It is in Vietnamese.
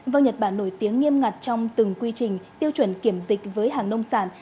vâng nhật bản nổi tiếng nghiêm ngặt trong từng quy trình tiêu chuẩn kiểm dịch với hàng nông sản